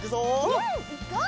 うんいこう！